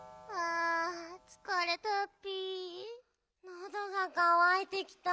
のどがかわいてきた。